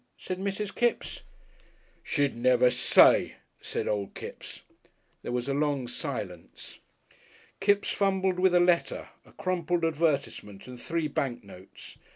said Mrs. Kipps. "She'd never say," said Old Kipps. There was a long silence. Kipps fumbled with a letter, a crumpled advertisement and three bank notes.